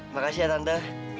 makasih ya tante